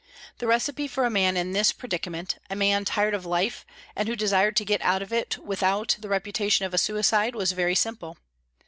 The recipe for a man in this predicament, a man tired of life, and who desired to get out of it without the reputation of a suicide, was very simple.